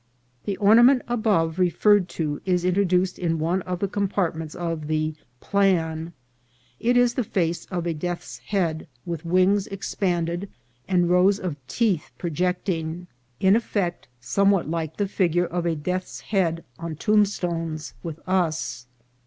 The ornament above referred to is introduced in one of the compartments of the " plan." It is the face of a death's head, with wings expanded, and rows of teeth projecting, in effect somewha t like the figure of a death's VOL. II.— 3 I 434 INCIDENTS OF TRAVEL. head on tombstones with us.